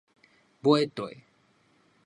尾綴